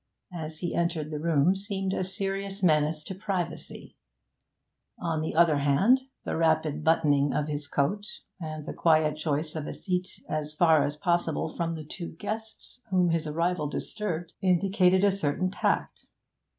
as he entered the room seemed a serious menace to privacy; on the other hand, the rapid buttoning of his coat, and the quiet choice of a seat as far as possible from the two guests whom his arrival disturbed, indicated a certain tact.